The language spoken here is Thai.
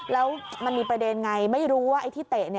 แล้วมันมีประเด็นไงไม่รู้ว่าไอ้ที่เตะ